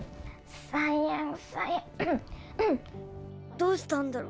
どうしたんだろ。